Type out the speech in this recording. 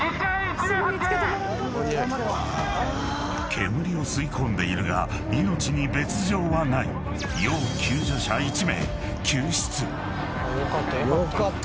［煙を吸い込んでいるが命に別条はない］よかったよかった。